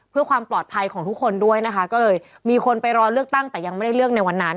เพื่อความปลอดภัยของทุกคนด้วยนะคะก็เลยมีคนไปรอเลือกตั้งแต่ยังไม่ได้เลือกในวันนั้น